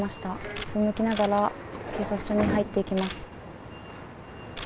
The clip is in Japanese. うつむきながら警察署に入っていきます。